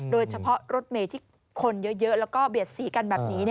โดยเฉพาะรถเมย์ที่คนเยอะแล้วก็เบียดสีกันแบบนี้